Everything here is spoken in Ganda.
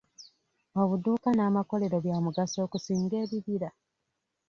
Obuduuka n'amakolero bya mugaso okusinga ebibira?